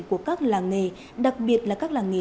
của các làng nghề đặc biệt là các làng nghề